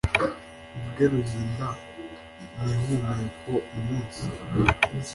Mvuge ruhinda mihumeko Umunsi